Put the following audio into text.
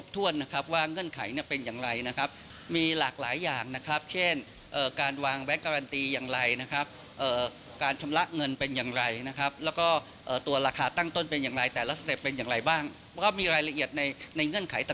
แต่นักวิเคราะห์ประเมินว่ามีความเป็นไปได้